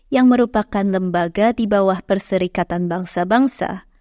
yang merupakan lembaga di bawah perserikatan bangsa bangsa